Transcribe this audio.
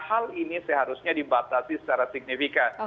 hal ini seharusnya dibatasi secara signifikan